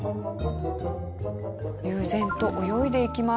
悠然と泳いでいきます。